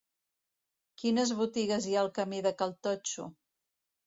Quines botigues hi ha al camí de Cal Totxo?